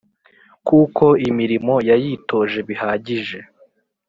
kuko imirimo yayitoje bihagije.